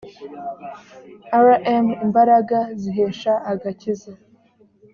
rm imbaraga zihesha agakiza